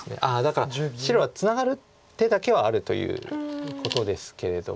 だから白はツナがる手だけはあるということですけれども。